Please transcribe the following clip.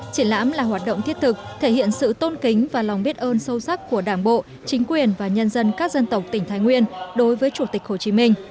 triển lãm là hoạt động thiết thực thể hiện sự tôn kính và lòng biết ơn sâu sắc của đảng bộ chính quyền và nhân dân các dân tộc tỉnh thái nguyên đối với chủ tịch hồ chí minh